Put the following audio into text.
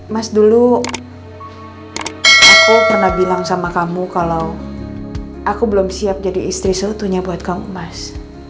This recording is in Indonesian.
mas dulu aku pernah bilang sama kamu kalau aku belum siap jadi istri seutunya buat kamu mas